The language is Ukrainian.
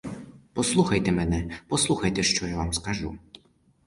Послухайте мене, послухайте, що я вам скажу.